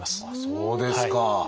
そうですか！